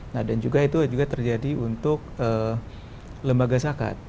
nah dan juga itu juga terjadi untuk lembaga zakat